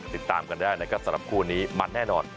ติดตามกันได้นะครับสำหรับคู่นี้มันแน่นอน